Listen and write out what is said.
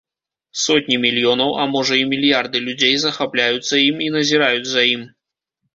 Сотні мільёнаў, а можа, і мільярды людзей захапляюцца ім і назіраюць за ім.